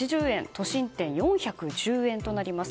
都心店、４１０円となります。